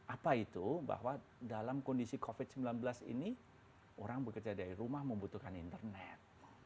apa itu bahwa dalam kondisi covid sembilan belas ini orang bekerja dari rumah membutuhkan internet